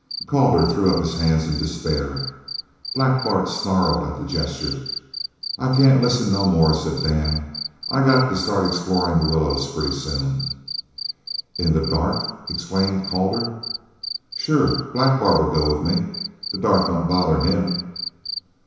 Calder threw up his hands in despair. Black Bart snarled at the gesture. "I can't listen no more," said Dan. "I got to start explorin' the willows pretty soon." "In the dark?" exclaimed Calder. "Sure. Black Bart'll go with me. The dark don't bother him."